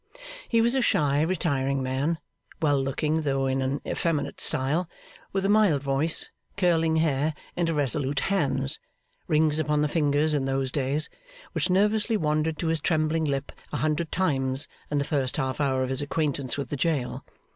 He was a shy, retiring man; well looking, though in an effeminate style; with a mild voice, curling hair, and irresolute hands rings upon the fingers in those days which nervously wandered to his trembling lip a hundred times in the first half hour of his acquaintance with the jail.